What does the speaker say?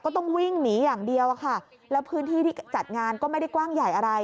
ต้องวิ่งหนีอย่างเดียวอะค่ะแล้วพื้นที่ที่จัดงานก็ไม่ได้กว้างใหญ่อะไร